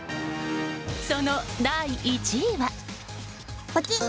その第１位は。